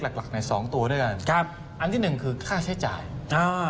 หลักหลักในสองตัวด้วยกันครับอันที่หนึ่งคือค่าใช้จ่ายอ่า